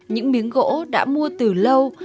những miếng gỗ đã mua từ lâu